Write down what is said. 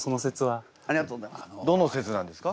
どの節なんですか？